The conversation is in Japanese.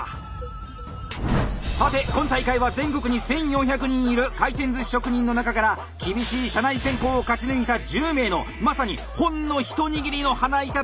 さて今大会は全国に１，４００人いる回転寿司職人の中から厳しい社内選考を勝ち抜いた１０名のまさにほんのひと握りの花板たちによる戦い。